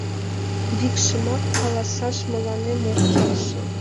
Викшымак каласаш, мыланем ок келше...